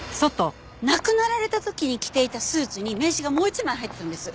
亡くなられた時に着ていたスーツに名刺がもう一枚入ってたんです。